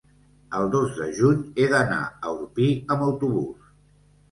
el dos de juny he d'anar a Orpí amb autobús.